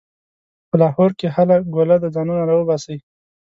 په لاهور کې هله ګوله ده؛ ځانونه راباسئ.